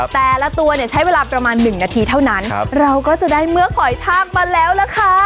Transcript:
แต่ละตัวเนี่ยใช้เวลาประมาณ๑นาทีเท่านั้นเราก็จะได้เมื่อหอยทากมาแล้วล่ะค่ะ